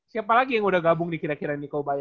siapa lagi yang udah gabung di kira kira ini ke ubaya